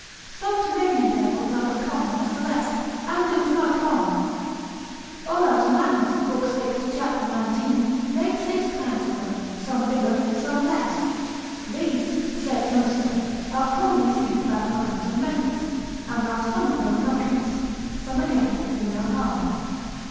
Subterranean devils are as common as the rest, and do as much harm. Olaus Magnus, lib. 6, cap. 19, make six kinds of them; some bigger, some less. These (saith Munster) are commonly seen about mines of metals, and are some of them noxious; some again do no harm.